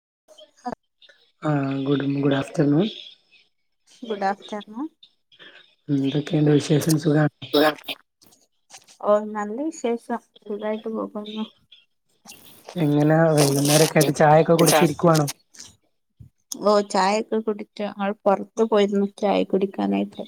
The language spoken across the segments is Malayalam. [inaudible] ആ good good afternoon good afternoon എന്തൊക്കെയൊണ്ട് വിശേഷം സുഖാ ഓ നല്ല വിശേഷം സുഖായിട്ട് പോകുന്നു എങ്ങനാ വൈകുന്നേരൊക്കായിട്ട് ചായൊക്കെ കുടിച്ചിരിക്കുവാണോ? ചായ ഒക്കെ കുടിച്ച് ങ്ങൾ പുറത്ത് പോയിരുന്നു ചായ കുടിക്കാനായിട്ട്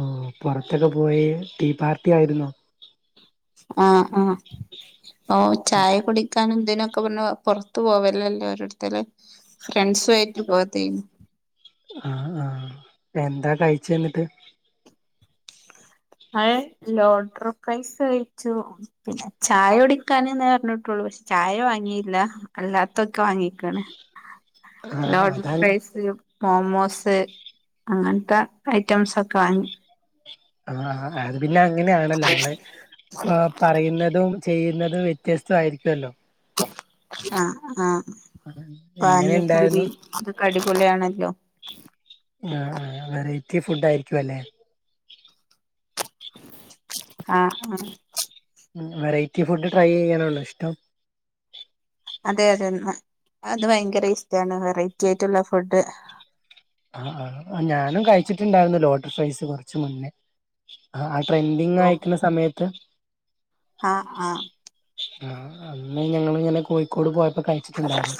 ഓ പൊറത്തൊക്കെ പോയി ടീ പാർട്ടി ആയിരുന്നോ? ആ ആ ഓ ചായ കുടിക്കാനുതിനൊക്കെ പിന്നെ പൊർ പോവലല്ലേ ഓരോട്ത്തല് ഫ്രണ്ട്സു ആയിട്ട് പോയതേനു ആ ആ എന്താ കഴിച്ചേന്നിട്ട്? ഏ ലോഡർ ഫൈസ് കയിച്ചു, പിന്നെ ചായ കുടിക്കാന്, ന്നേ അർഞ്ഞട്ടുള്ളു പക്ഷെ ചായ വാങ്ങിയില്ല അല്ലാത്തൊക്കെ വാങ്ങി ആഹ് ലോഡ അതാ ഫ്രൈസ് മോമോസ് അങ്ങനത്തെ ഐറ്റംസ് ഒക്കെ വാങ്ങി ആ അത് പിന്നെ അങ്ങനെയാണല്ലോ നമ്മളെ ഇപ്പ പറയുന്നതും ചെയ്യുന്നത് വ്യത്യസ്ത ആയിരിക്കുമല്ലോ ആ ആ എങ്ങനെ പഞ്ഞിപുരി ഉണ്ടായിരുന്നു അത് ഒക്കെ അ ടിപൊളി യാണല്ലോ ആ ആ വെറൈറ്റി ഫുഡ് ആയിരിക്കും അല്ലേ ആ ആ ഉ വെറൈറ്റി ഫുഡ് ട്രൈ ചെയ്യാനുള്ളോ ഇഷ്ടം അതെ അതെ അത് ഭയങ്കര ഇഷ്ടമാണ് വെറൈറ്റി ആയിട്ടുള്ള ഫുഡ് ആ ആ ഞാനും കഴിച്ചിട്ടുണ്ടായിരുന്നു ലോട്ടറി ഫ്രൈസ് കുറച്ച് മുന്നേ ട്രെൻഡിങ് ആയക്കുന്ന സമയത്ത് ആ ആ ആ അന്ന് ഞങ്ങ ഇങ്ങനെ കോഴിക്കോട് പോ കഴിച്ചിട്ടുണ്ടായിരുന്നു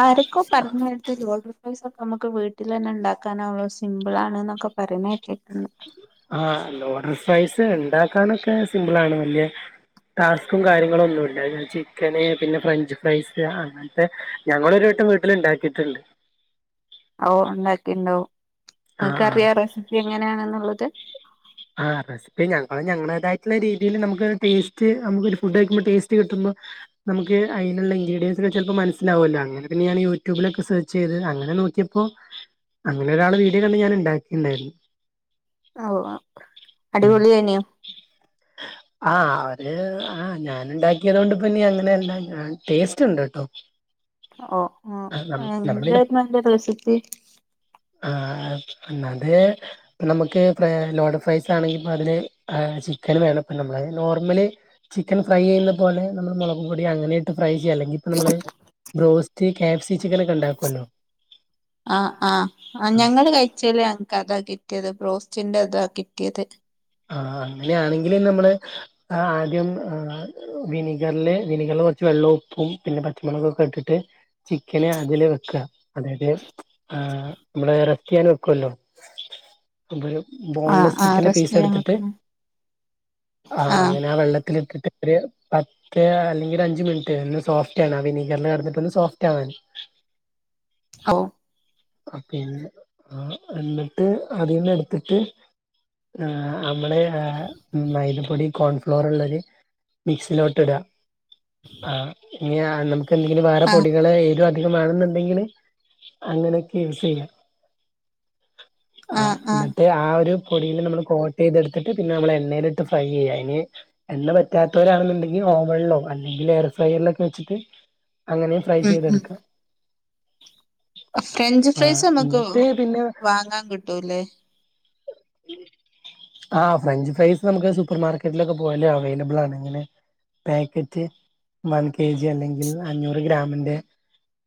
ആരക്കോ പറഞ്ഞതരത്തി ലോഡർൈസ് ഒക്കെ നമുക്ക് വീട്ടിൽ തന്നെ ഉണ്ടാക്കാനാവോ സിമ്പിൾ ആണ് എന്നൊക്കെ പറഞ്ഞേറ്റിട്ടന്ന് ഫൈസ് ഉണ്ടാക്കാനൊക്കെ സിമ്പിൾ ആണ് വല്യ ടാസ്കും കാര്യങ്ങളും ഒന്നും ഇണ്ട് ചിക്കന് പിന്നെ ഫ്രഞ്ച് ഫ്രൈസ് അങ്ങനത്തെ ഞങ്ങളരു ഇ വീട്ടില ഉണ്ടാക്കിട്ടുണ്ട് ഓ ഉണ്ടാക്കിണ്ടോ ആഹ് നിക്ക അറിയാം റെസിപ്പി എങ്ങനെയാണെന്നുള്ളത് ആ റെസിപ്പ ഞ ഞങ്ങളേതട്ടുള്ള രീതിയിൽ നമുക്ക് ടേസ്റ്റ് നമുക്ക് ഒരു ഫുഡ് കഴുമ്പോ ടേസ്റ്റ് കിട്ടുന്നു നമുക്ക് അതിനുള്ള ഇൻ്രഡിയൻസെ ചിലപ്പോ മനസിലാവല്ലോ അനൊക്കെെയഞൻ യൂട്യൂബിലൊക്കെ സെർച്ച് ചെയ്ത് അങ്ങനെ അെ നോക്കിയപ്പോ അങ്ങനെ ഒരാള് വീഡിയോ കണ്ട് ഞാൻ ഉണ്ടാക്കിണ്ടായിരുന്നു ഓ അടിപൊളി തന്നെയ ആ അവര് ആ ഞാൻ ഉണ്ടാക്കിയത് കൊണ്ട് പിന്നെ അങ്ങനെ എല്ലാം ടേസ്റ്റ് ഉണ്ട് കേട്ടോ ഓ ആ ആഹ് നം നമ്മളിതിന് എന്തായിരുന്നുന്റെ റെസിപി ആത് നമുക്ക് ലോഡ് ഫൈസ് ആണെങ്കിൽ ഇപ്പൊ അതിനെ ആ ചിക്കന് മേലെ ഇപ്പൊ നമ്മള് നോർമലി ചിക്കൻ ഫ്രൈ ചെയ് പോലെ മുള പൊടി അങ്ങനെട്ട് ചെയ്യാം അല്ലെങ്കിൽപ്പ നമ്മള് ബ്രോസ്റ്റ് കാപ്സി ചിക്കനൊക്കെ ഉണ്ടാക്കുമല്ലോ ആ ആ ആ ഞങ്ങള് കഴിച്ചല് അക്ക് അതാക്കിട്ട കിട്ടിയത് ബ്രോസ്റ്റിന്റെ ഇതാ കിട്ടിയത് ആ അങ്ങനെയാണെങ്കിൽ നമ്മള് ആദ്യം വിനഗറില് വിനഗറില് കുറ വെള്ളം ഉപ്പും പിന്നെ പച്ചമുളകുംക്കെ ഇട്ടിട്ട് ചിക്കന് അതില് വെക്ക അതായത് ആ നമ്മള ൻ വെക്കല്ലോ അ ഒരു ആഹ് ബോൺലെസ്സ് ആഹ് സ്റ്റിക്കിന്റെ റെസ്റ്റ് പീസ് എടു ചെയ്യാൻ വെക്ക്ണ ആ ആഹ് അങ്ങനെ ആ വെള്ളത്തി പത്ത് അല്ലെങ്കിൽ ഒരു അഞ്ച മിനിറ്റ് ഒ സോഫ്റ്റ് ആണ് ആ വിനീഗറിൽ കടന്നിട്ട്ന്ന് സോഫ്റ്റ് ആവാൻ ഓ പിന്നെ ആ എന്നിട്ട് അധികന്ന എടുത്തിട്ട് ആ നമ്മള് മൈതപ്പൊടി കോൺഫ്ലോർ ഉള്ളരു മിക്സിലോട്ട് ഇടുക ആ ഇനി നമുക്ക് എന്തെങ്കിലും വേറെ ആഹ് പൊടികൾ ഏ അമാണെന്നുണ്ടെങ്കിൽ അങ്ങനെയൊക്കെ യൂസ് ചെയ്യാം ആ ആഹ് ആഹ് എന്നത്തെ ആ ഒരു പൊടിയില് നമ്മള് കോട്ട ചെയ്തെടുത്തിട്ട് പിന്നെ നമ്മള എണ്ണയില ഇട്ട് ഫ്രൈ ചെയ്യാം അതിന് എണ്ണ പറ്റാത്തവരാണെന്നുണ്ടെങ്കിൽ ഓവണിലോ അല്ലെങ്കിൽ അിലേറെ ഫ്രൈറിലൊക്കെ വെച്ചിട്ട് അങ്ങനെയും ഫ്രൈ ഉം ഉം ചെയ്തെടുക്കാം ഫ്രഞ്ച് ആഹ് ഫ്രൈസ് നമുക്ക് എന്നിട്ട് വാങ്ങാൻ കിട്ടൂല്ലേ ഉ ആ ഫ്രഞ്ച് ഫ്രൈസ് നമുക്ക് സൂപ്പർ മാർക്കറ്റിലൊക്കെ പോയാലോ അവൈലബിൾ ആണെങ്കനെ പാക്കറ്റ് വൺ കെ ജി അല്ലെങ്കിൽ അഞ്ഞൂറ് ഗ്രാമിന്റെ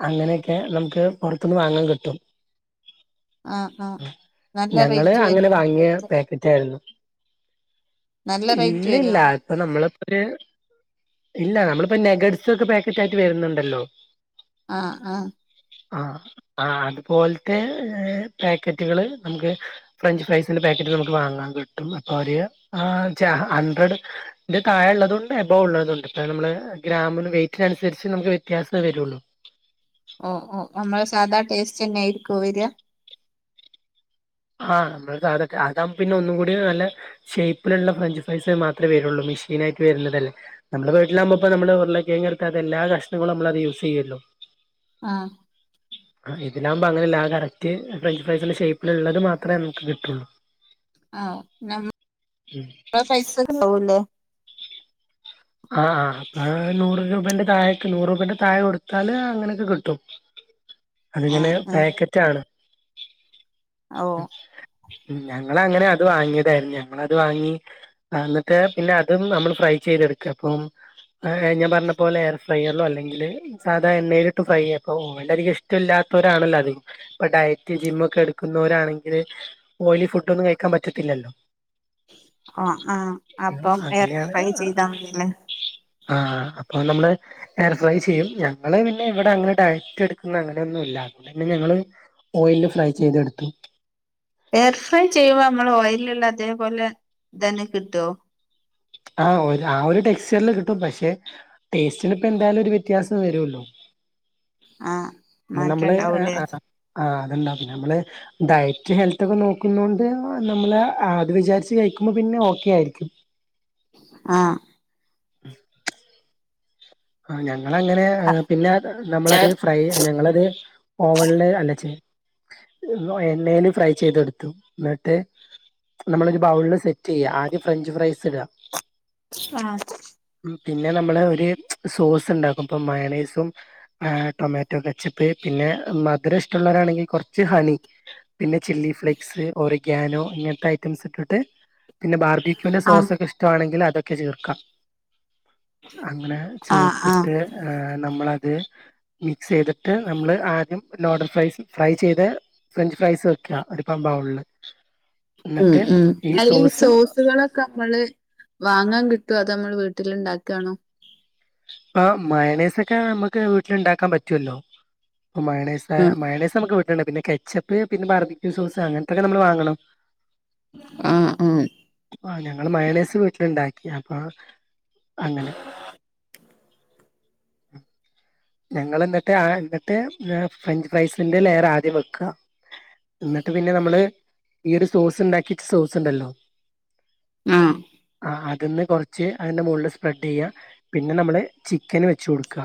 അങ്ങനെയൊക്കെ, നമുക്ക് പൊറത്തിന്ന് വാങ്ങാൻ കിട്ടും. ആ, ആ നല്ല റേ അങ്ങെനെ വാങ്ങിയ പാകറ്റെൾ, നല്ല റേറ്റ് ഇങ്ങിനെല്ല വരുവോ ഇപ്പോ നമ്മള് ഒരു ഇല്ല നമ്മളിപ്പോ നെഗഡ്സ് ഒക്കെ പാക്കറ്റ് ആയിട്ട് വരുന്നുണ്ടല്ലോ? ആ ആ.. ആആ അതുപോലത്തെ പാക്കറ്റുകള് നമുക്ക് ഫ്രഞ്ച് ഫ്രൈസിന്റെ പാക്കറ്റ് നമുക്ക് വാങ്ങാൻ കിട്ടും, ഒരേ ആ ജ ഹഡ്രഡ് ന്റെ താഴ ഉള്ളതോണ്ട്, അബോവ ഉള്ളതോ ണ്ട്ട്ട, ഇ നമ്മ ഗ്രാമന് വെറ്റിനനുസരിച്ച് നമുക്ക് വ്യത്യാസമേ വരുള്ളൂ. ഓ, ഓ, നമ്മള് സാധാ ടേസ്റ്റ് തന്നൊയിയിരിക്കും വരിക? ആ നമ്മ അതാകുമ്പ പിന്നെ ഒന്നുംകൂടി നല്ല ഷേപ്പിലുള്ള ഫ്രഞ്ച് ഫ്രൈസ് മാത്രമേ വരുള്ളൂ. മെഷീനായിട്ട് വരുന്നതല്ലേ, നമ്മള് വീട്ടിലാകുമ്പോപനമ്മള് ഉരുളക്കിഴങ്ങട്ത് തെല്ലാ കഷ്ണങ്ങളും നമ്മളത് യൂസ് ചെയ്യല്ലോ. ആ ആ ഇതിനാകുമ്പോ അങ്ങനെ കറക്റ്റ്, ഫ്രഞ്ച് ഫ്രൈസിന്റെ ഷേപ്പിൽ ഉള്ളത് മാത്രമേ നമുക്ക് കിട്ടുള്ളൂ. ആ [unintelligible] സൈസ് ഉണ്ടാവില്ലോ ആ ആ അ നൂറ് രൂ ന്റെ താഴൊക്ക് നൂറ രൂപേന്റെ താഴെ കൊടുത്താല് അങ്ങനൊക്കെ കിട്ടും. അതിങ്ങനെ ആഹ് ആഹ് പാക്കറ്റാണ്. ഓ... ഞങ്ങളങ്ങനെ അത് വാങ്ങിയതായിരുന്നു. ഞങ്ങത് വാങ്ങി എന്നിട്ട് പിന്നെ അതും നമ്മൾ ഫ്രൈ ചെയ്തെടുക്ക കപ്പം... ആ ഞാ പറഞ്ഞ പോല എയർ ഫ്രൈയർലോ അല്ലെങ്കിൽ സാധാ എണ്ണയില ഇട്ട് ഫ്രൈ അപ്പോക്ക് ഇഷ്ടമല്ലാ രാണല്ലോ അത്, ഇ ഡയറ്റ് ജിമ്മ ഒക്കെ എടുക്കുന്നവരാണെങ്കില് ഓയിലി ഫുഡൊന്നും കഴിക്കാൻ പറ്റത്തി ല്ല ല്ലോ... ഓ ആഹ അപ്പം എർ അങ്ങനെയാണ് ഫ്രൈ ചെയ്താൽ മതില്ലേ? ആഹ് അപ്പൊ നമ്മള് എയർഫ്രൈ ചെയ്യും, ഞങ്ങള് പിന്നെ ഇവിടെ അങ്ങനെ ഡയറ്റ് എടുക്കുന്നങ്ങനെ ന്നുല്ല പിന്നെ ഞങ്ങള് ഓയില് ഫ്രൈ ചെയ്ത എടുത്തു. എയർ ഫ്രൈ ചെയ്യുമ്പോ നമ്മൾ ഓയിലുള്ള അതേപോലെ ഇതന്നെ കിട്ടോ ആഹ് ആ ഒരു ടെക്സ്റ്ററിൽ കിട്ടും പക്ഷെ ടേസ്റ്റിന ഇപ്പോ എന്തായാലും ഒരു വ്യത്യാസം വരുല്ലോ ആഹ് പിന്നെനമ്മള് അ മാറ്റണ്ടാവൂലേ ആ... ആ അത്ണ്ടാവും പിന്നെ നമ്മള് ഡയറ്റ് ഹെൽത്ത് ഒക്കെ നോക്കുന്നോണ്ട് നമ്മള് അത് വിചാരിച്ച് കഴികും കുംപം പിന്നെ ഓക്കെ ആയിരിക്കും. ആഹ് ആഹ് ഞാൻ ഞങ്ങളങ്ങനെ ആഹ് പിന്നെ നമ്മളത് ഫ്രൈ അല്ല ഞങ്ങളത് ഓവണില് അല്ലച്ച എണ്ണേൽ ഫ്രൈ ചെയ്തെടുത്തു എന്നിട്ട്? നമ്മളരു ബൗളില് സെറ്റ് ചെയ്യുക, ആദ്യം ഫ്രഞ്ച് ഫ്രൈസ് ഇട ആഹ് പിന്നെ നമ്മള് ഒര് സോസ് ഉണ്ടാക്കുംപോ മയോണയ്സും ആ ടൊമാറ്റോ കെച്ചപ്പ്, പിന്നെ മധുര ഇഷ്ടള്ളോരാ ണെങ്കിൽ കുറച്ച് ഹണി പിന്നെ ചില്ലി ഫ്ലേക്സ്, ഓറിഗാനോ ഇങ്ങനത്തെ ഐറ്റംസ് ഇട്ടിട്ട്.... പിന്നെ ബാർബിക്യുന്റെ സോസൊക്കെ ഇഷ്ടമാണെങ്കിൽ, അതൊക്കെ ചേർക്കാം അങ്ങനെ ആഹ് ആഹ് ചേർത്തിട്ട് ഹേ നമ്മളത്, മിക്സ് ചെയ്തിട്ട് നമ്മൾ ആദ്യം ലോഡഡ് ഫ്രൈസ് ഫ്രൈ ചെയ്ത് ഫ്രഞ്ച് ഫ്രൈസ് വെക്ക അടിപ്പാമ്പാവുള്ള്. ഉം ഉം, അല്ലെിൽ സോസുകളൊക്കെ നമ്മള് വാങ്ങാൻ കി അത് നമ്മൾ വീട്ടിൽ ഇണ്ടാക്കാണോ? ആ മയണേസൊക്കെ നമ്മക്ക് വീട്ടില്ണ്ടാക്കാൻ പറ്റുവല്ലോ. അപ്പം മയോണേസായ ഉം മയോണേസ് നമുക്ക് വിട്ടില്ണ്ട് പിന്നെ കെച്ചപ്പ്, പിന്ന ബാർബിക്ക് സോസ് അങ്ങൻത്തൊക്കെ നമ്മള് വാങ്ങണം. ആഹ് ആഹ് ആ ഞങ്ങള് മയേണേസ് വീട്ട്‌ല്ണ്ടാ ഞാൻ പാർ അങ്ങനെ ഞങളന്ന്ട്ട് ആ ന്ന്ട്ട് [unintelligible] ഫ്രഞ്ച് ഫ്രൈസിന്റെ ലെയറാദ്യം വെക്കാ. ഇന്നിട്ട് പിന്നെ നമ്മള് ഈ ഒരു സോസ് ഇണ്ടാക്കിച്ച സോസ്ണ്ടല്ലോ ആ. ഇതന്ന് കൊറച്ച് അതിന്റെ മുകളില് സ്പ്രെഡ് ചെയ്യാ പിന്നെ നമ്മള് ചിക്കന് വെച്ച് കൊടുക്കാ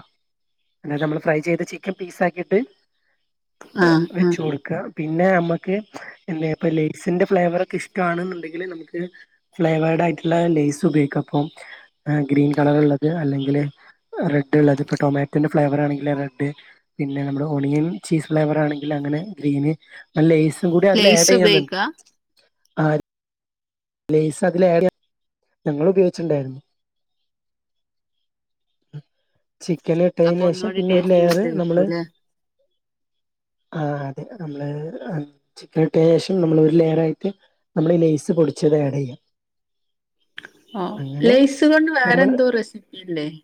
അന്നേരം നമ്മള് ഫ്രൈ ചെയ്ത ചിക്കൻ പീസാക്കീട്ട് അ ആഹ് വെച്ച് ആഹ് കൊട്ക്കാ. പിന്നെ നമ്മക്ക് എന്താ ഇപ്പ ലേസിന്റെ ഫ്ലേവർ ഒക്കെ ഇഷ്ട്ടാണ്ന്ന്ണ്ടെങ്കില് നമ്മക്ക് ഫ്ലേവർ ദായ്ട്ട്ള്ള ലെയ്സ് ഉപയോഗിക്ക പ്പം എ ഗ്രീൻ കളറ്ള്ളത് അല്ലെങ്കില് [inaudible] റെഡ്ള്ളത് പ്പ ടൊമേ ന്റെ ഫ്ലേവറാണെങ്കില് റഡ് പിന്ന നമ്മുടെ ഒണിയൻ ചീസ് ഫ്ലേവറാണെങ്കിൽ അങ്ങനെ ഗ്രീന് അല്ലെയ്സ് കൂടി അതില് ലെയ്സ് ആഡ് ചെയ്യ്ന്ന്ണ്ട് ഉപയോഗിക്കാ ആഡ് ലെയ്‌സതിലേഡ്യ. ഞങ്ങളുപയോച്ച്ണ്ടായിര്ന്നു. [inaudible] അപ്പൊ ചിക്കന്ട്ടെയ്‌നേഷം ഒന്നുകൂടി പിന്നൊര് ടേസ്റ്റ് ലെയറ് നമ്മള് കൂടുതലായിരിക്കുംല്ലേ ആഹ് അതെ നമ്മള് ആഹ് ചിക്കൻ ഇട്ട ശേഷം നമ്മള് ഒരു ലെയർ ആയിട്ട് നമ്മള് ലെയ്സ് പൊടിച്ച് ച്ചെതാട്ചെയ്യാ ഓഹ് ലേയ്സ് കൊണ്ട് നമ്മൾ വേറെന്തോ റെസിപ്പി ഇണ്ടേയിനി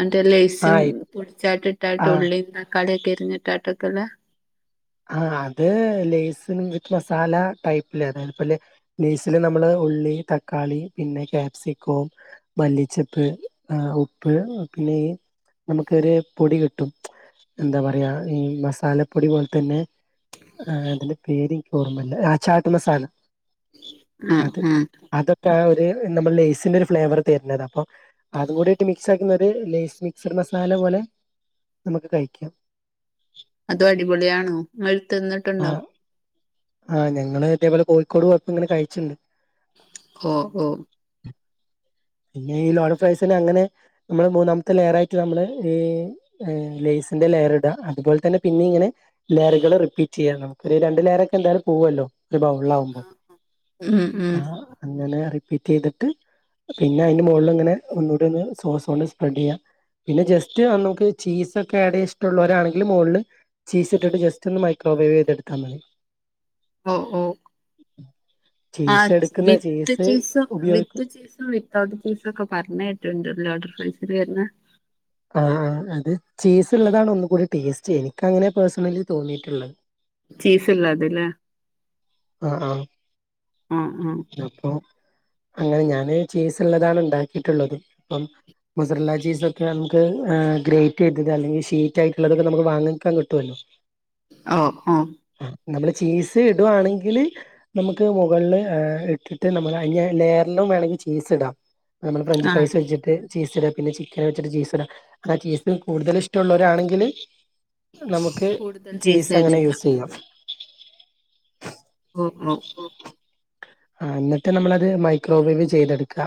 എന്നിറ്റ് ഒര് ലേയ്സ് ആഹ് പൊടിച്ചാട്ടിട്ടാട്ട് ആഹ് ഉള്ളി തക്കാളിയൊക്കെ അരിഞ്ഞിട്ടാക്കെല്ലാ ആ അത് ലെസിന് വിത്ത് മസാല ടൈപ്പില് അതായത് ലേസില് നമ്മള് ഉള്ളി, തക്കാളി പിന്നെ കാപ്സിക്കോ, മല്ലിച്ചപ്പ് ആ ഉപ്പ് പിന്നെ ഈ നമുക്കൊരു പൊടി കിട്ടും എന്താ പറയാ ഈ മസാലപ്പൊടി പോല് തന്നെ, ആ അതിന്റെ പേരിക്കോർമല്ല. ആ ചാറ്റ് മസാല! ആഹ് അത് ആഹ് അതൊക്കെ ആ ഒര് അ് നമ്മൾ ലെയ്‌സിന്റൊരു ഫ്ലേവർ തര്‌ന്നതാ അപ്പോ അതും കൂടിട്ട് മിക്സാക്കുന്നത് ലെയ്സ് മിക്സഡ് മസാല പോലെ നമുക്ക് കഴിക്കാം. തിന്ന്ട്ടുണ്ടോ. ആഹ് ഞങ്ങള് ഇതേപോലെ കോഴിക്കോട് പോയപ്പോ ഇങ്ങനെ കഴിച്ചിണ്ട്. ഓഹ് ഓഹ് പിന്നെ ഈ ലോഡഡ് ഫ്രൈസിന് അങ്ങനെ നമ്മള് മൂന്നാമത്തെ ലെയറായിട്ട് നമ്മള് ഈ ഏഹ് ലെയ്സ് സ്ന്റെ ലെയറ്‌ട. അത് പോൽ തന്നെ പിന്നെയ് ഇങ്ങനെ ലെയറുകള് റിപ്പീറ്റെയ്യാ. നമുക്കൊര് രണ്ട് ലെയറൊക്കെന്തായാലു പോവ്വല്ലോ. ഇവിടെ ഉള്ളതാകുമ്പോൾ ഉം ഉം ആ അങ്ങനെ റിപ്പീറ്റ് ചെയ്തിട്ട് പിന്നെ അതിന്റെ മുകളിൽ അങ്ങനെ ഒന്നുകൂടൊന്ന് സോസ് കൊണ്ട് സ്പ്രെഡ് ചെയ്യാം പിന്നെ ജസ്റ്റ് നമുക്ക് ചീസൊക്കെ ടെ ഇഷ്ടമുള്ളവരാണെങ്കിൽ മുകളില് ചീസ് ഇട്ടിട്ട് ജസ്റ്റ് ഒന്ന് മൈക്രോവേവ് ചെയ്തെടുത്താൽ മതി ഓ ഓ ആ ചീസ് എടുക്കുന്ന വിത്ത് ചീസ് ചീസോ ഉപയോഗിക്കും വിത്ത് ചീസോ വി ചീസൊക്കെ പറഞ്ഞ് കേട്ടിട്ടുണ്ട് [unintelligible] ആ ആ അത് ചീസ് ഉള്ളതാണ് ഒന്ന് കൂടി ടേസ്റ്റ് എനിക്ക് അങ്ങനെയാ പേഴ്സണലി തോന്നിയിട്ടുള്ളത് ചീസ്ള്ളത് ല്ലേ? ആഹ് ആഹ് ഓ അപ്പൊ അങ്ങനെ ഞാന് ചീസ് ഉള്ളതാണ് ഉണ്ടാക്കിയിട്ടുള്ളത് ഇപ്പം മധുരമുള്ള ചീസ് നമുക്ക് ഗ്രേറ്റ് ചെയ്തത് അല്ലെങ്കിൽ ഷീറ്റ് ആയിട്ടുള്ളതൊക്കെ നമുക്ക് വാങ്ങിക്കാൻ കിട്ടുവല്ലോ ഓ ഓ നമ്മള് ചീസ് ഡുആണെക് ങ്കില് നമുക്ക് മുകളില് ഇട്ടിട്ട് നമ്മൾ അയിനെ ലയറിലും വേണോങ്കിൽ ചീസ് ഇടാം നമ്മള് ആ ഫ്രഞ്ച്ഫൈസ് വെച്ചിട്ട് ചീസ് ട് പിന്നെ ചിക്കൻ വെച്ചിട്ട് ചീസ് ട് ആ ചീസ് കൂടുതൽ ഇഷ്ടമുള്ളവരാണെങ്കില് നമുക്ക് ചീസ് അങ്ങനെ യൂസ് ചെയ്യാം ഓഹ് ഓഹ് ആഹ് എന്നിട്ട് നമ്മളത് മൈക്രോവേവ് ചെയ്തെടുക്കുക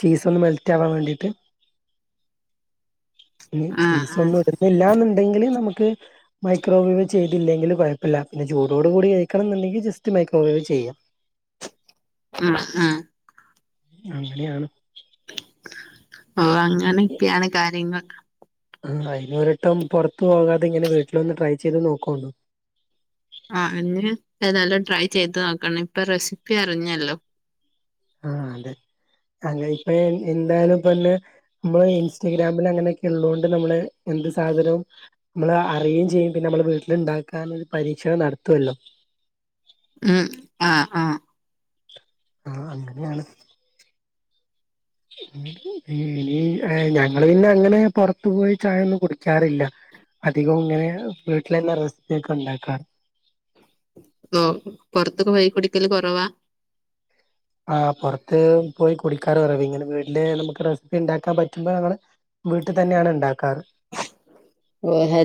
ചീസ് ഒന്ന് മെൽറ്റ് ആവാൻ വേണ്ടിട്ട് പിന്നെ ആ ചീസ് ആ ഒന്നും ഇടുന്നില്ലാന്നിണ്ടെങ്കി ഇല്ലങ്കില് നമ്മക്ക് മൈക്രോവേവ് ചെയ്തില്ലെങ്കിലും കുഴപ്പില്ലാ പിന്നെ ചുടോടുകുടെ കഴിക്കണേങ്കി ജസ്റ്റ്‌ മൈക്രോവേവ് ചെയ്യാം മ്മ് മ്മ് അങ്ങനെയെയാണ് ആ അങ്ങനെക്കെയാണ് കാര്യങ്ങൾ ആഹ് ഇനി ഒരിട്ടം പുറത്തു പോകാതെ ഇങ്ങനെ വീട്ടിലൊന്ന് ട്രൈ ചെയ്ത് നോക്കു ആഹ് ഏതായാലും ട്രൈ ചെയ്ത് നോക്കണം ഇപ്പൊ റെസിപ്പി അറിഞ്ഞല്ലോ ആഹ് അതെ അങ്ങനെ ഇപ്പൊ എന്തായാലും പിന്നെ നമ്മള് ഇൻസ്റ്റാഗ്രാമിൽ അങ്ങനെ ഇള്ളൊണ്ട് നമ്മള് എന്ത് സാധനവും നമ്മള് അറിയേം ചെയ്യും പിന്നെ നമ്മള് വീട്ടിലിണ്ടാക്കാന് പരീക്ഷി ക്ഷണം നടത്തുവല്ലോ ഉം ആ ആ ആഅങ്ങനെയാണ് ഇനി ഞങ്ങള് പിന്നെ അങ്ങനെ പൊറത്തു പോയി ചായൊന്നും കുടിക്കാറില്ല അധികോം ഇങ്ങനെ വീട്ടിലന്നെ റെസിപ്പി ഒക്കെ ഇണ്ടാക്കാറ് ഓ പൊറത്തൊക്കെ പോയി കുടിക്കല് കുറവാ ആ പൊറത്ത് പോയി കുടിക്കാറ് കുറവാ ഇങ്ങനെ വീട്ടില് നമുക്ക് റെസിപ്പി ഉണ്ടാക്കാൻ പറ്റുമ്പോ ഞങ്ങള് വീട്ടു തന്നെയാണ് ഇണ്ടാക്കാറ് ഓ ഹെൽ